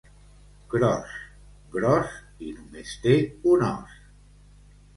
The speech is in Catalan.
Gros, gros i només té un os.